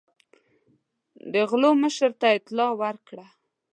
د غلو مشر ته اطلاع ورکړه.